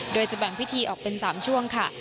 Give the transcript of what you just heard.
โดยจะแบ่งพิธีออกเป็น๓ช่วงค่ะ